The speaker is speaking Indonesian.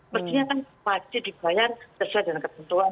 maksudnya kan pasti dibayar sesuai dengan ketentuan